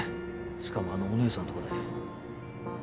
しかもあのおねえさんとこで。